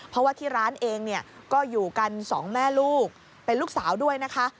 เพราะว่าที่ร้านเองเนี่ยก็อยู่กันสองแม่ลูกเป็นลูกสาวด้วยนะคะ